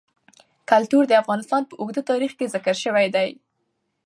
کلتور د افغانستان په اوږده تاریخ کې ذکر شوی دی.